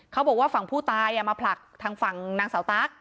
เขาบอกว่าฝั่งผู้ตายมาผลักทางฝั่งนางสาวตั๊ก